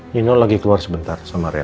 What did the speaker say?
nino lagi keluar sebentar sama rea